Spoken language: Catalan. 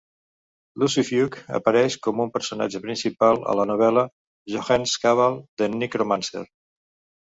Lucifuge apareix com un personatge principal a la novel·la, "Johannes Cabal the Necromancer".